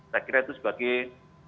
saya kira itu sebagai